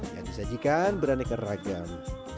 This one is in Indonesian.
yang disajikan beraneka ragam